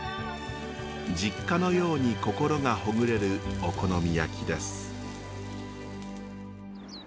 実家のように心がほぐれるお好み焼きです。